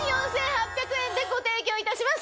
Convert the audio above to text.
でご提供いたします。